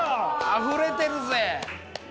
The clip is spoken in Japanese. あふれてるぜ。